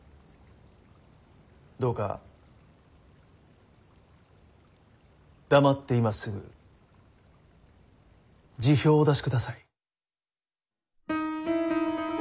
どうか黙って今すぐ辞表をお出しください。